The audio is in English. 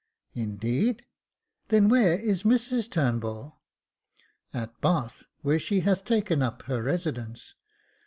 " Indeed !— then where is Mrs Turnbull ?"" At Bath, where she hath taken up her residence.